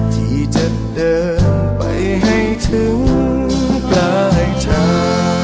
ที่จะเดินไปให้ถึงปลายชา